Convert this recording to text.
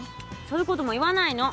そういうことも言わないの。